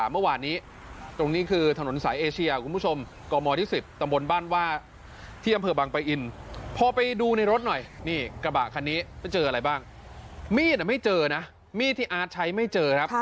มีดที่อาร์ตใช้ไม่เจอครับ